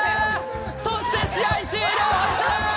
そして、試合終了！